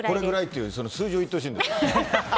数字を言ってほしいんです。